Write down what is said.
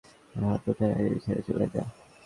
আমার হাত উঠার আগে বিছানায় চলে যা।